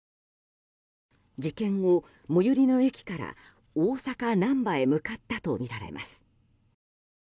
事件後、最寄りの駅から大阪・難波へ向かったとみられます。